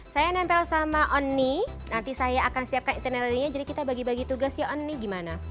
saya nempel sama onni nanti saya akan siapkan internal lainnya jadi kita bagi bagi tugas ya onni gimana